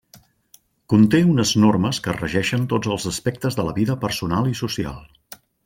Conté unes normes que regeixen tots els aspectes de la vida personal i social.